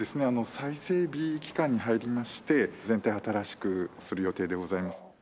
再整備期間に入りまして全体新しくする予定でございます。